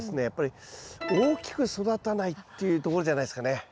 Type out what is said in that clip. やっぱり大きく育たないっていうところじゃないですかね。